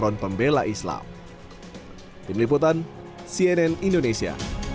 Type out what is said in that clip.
komisaris jenderal listio sigit prabowo tentang kasus penembakan yang menewaskan enam anggota laskar fpi